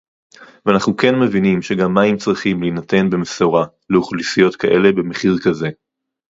ואנחנו כן מבינים שגם מים צריכים להינתן במשורה לאוכלוסיות כאלה במחיר כזה